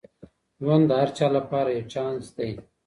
ژوند د هر چا لپاره یو چانس دی.